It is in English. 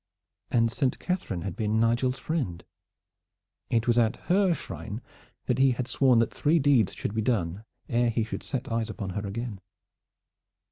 And Saint Catherine had been Nigel's friend. It was at her shrine that he had sworn that three deeds should be done ere he should set eyes upon her again.